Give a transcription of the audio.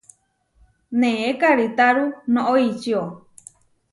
Neé karitáru noʼó ičió.